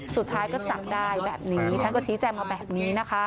สุดท้ายก็จับได้แบบนี้ท่านก็ชี้แจงมาแบบนี้นะคะ